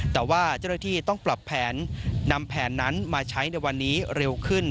แต่ว่าเจ้าหน้าที่ต้องปรับแผนนำแผนนั้นมาใช้ในวันนี้เร็วขึ้น